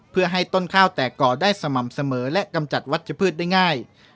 เพื่อให้ต้นข้าวแตกก่อได้สม่ำเสมอและกำจัดวัชพืชได้ง่าย